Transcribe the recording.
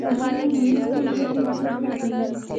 غوږونه له نوو ژبو زده کړه کوي